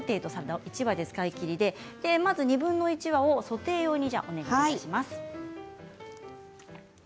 まず２分の１把をソテー用にお願いします。